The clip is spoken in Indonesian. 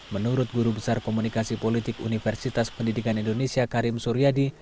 menurut guru besar komunikasi politik universitas pendidikan indonesia karim suryadi